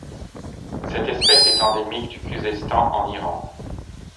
Cette espèce est endémique du Khuzestan en Iran.